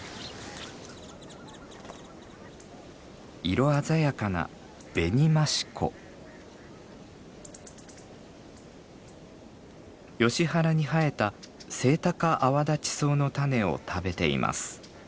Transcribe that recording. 色鮮やかなヨシ原に生えたセイタカアワダチソウの種を食べています。